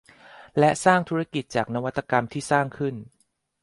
และสร้างธุรกิจจากนวัตกรรมที่สร้างขึ้น